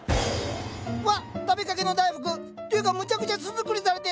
うわっ食べかけの大福！っていうかむちゃくちゃ巣作りされてる！